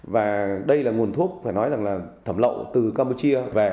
và đây là nguồn thuốc phải nói rằng là thẩm lậu từ campuchia về